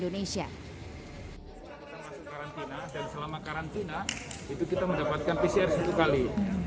selama karantina kita mendapatkan pcr satu kali